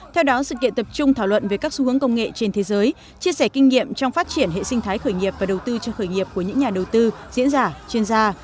theo đó sự kiện tập trung thảo luận về các xu hướng công nghệ trên thế giới chia sẻ kinh nghiệm trong phát triển hệ sinh thái khởi nghiệp và đầu tư cho khởi nghiệp của những nhà đầu tư diễn giả chuyên gia